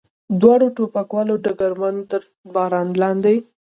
دواړو ټوپکوالو ډګرمن تر باران لاندې.